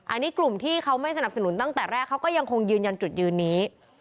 อันนี้กลุ่มที่เขาไม่สนับสนุนตั้งแต่แรกเขาก็ยังคงยืนยันจุดยืนนี้